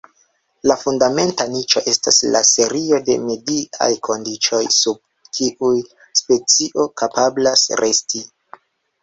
La fundamenta niĉo estas la serio de mediaj kondiĉoj sub kiuj specio kapablas resti.